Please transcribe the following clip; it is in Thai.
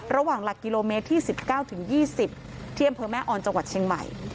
ระหว่างหลักกิโลเมตรที่๑๙ถึง๒๐เที่ยมเผอร์แม่ออนจังหวัดเชียงใหม่